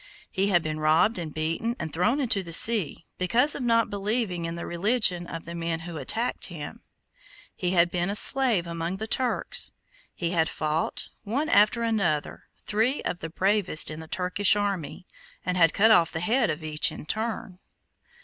He had been robbed and beaten and thrown into the sea because of not believing in the religion of the men who attacked him; he had been a slave among the Turks; he had fought, one after another, three of the bravest in the Turkish army, and had cut off the head of each in turn.